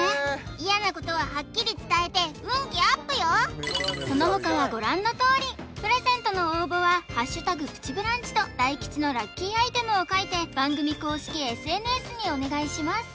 嫌なことははっきり伝えて運気アップよそのほかはご覧のとおりプレゼントの応募は「＃プチブランチ」と大吉のラッキーアイテムを書いて番組公式ＳＮＳにお願いします